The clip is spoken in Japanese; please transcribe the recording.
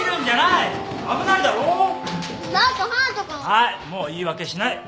はいもう言い訳しない。